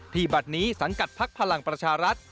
บัตรนี้สังกัดพักพลังประชารัฐ